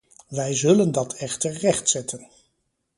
Wij zullen dat echter rechtzetten.